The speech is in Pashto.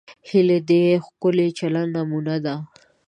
هیلۍ د ښکلي چلند نمونه ده